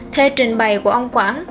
theo trình bày của ông quảng